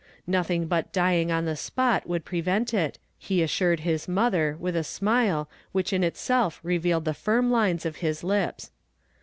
Nothing but dying on the spot would prevent it, he assured liis mother with a smile, which in itself revealed the firm lines of his lips.